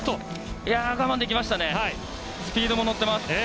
スピード乗ってます。